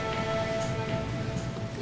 saya gak tahu